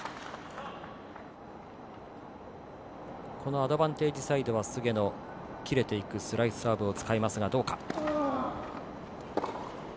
アドバンテージサイドは菅野、切れていくスライスサーブを使いますが、どうか。